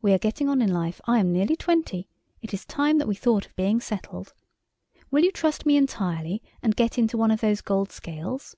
We are getting on in life. I am nearly twenty: it is time that we thought of being settled. Will you trust me entirely and get into one of those gold scales?"